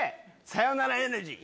『さよならエレジー』。